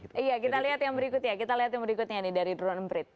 iya kita lihat yang berikutnya nih dari drone emprit